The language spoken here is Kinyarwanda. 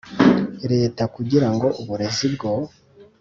Leta kugira ngo uburezi bwo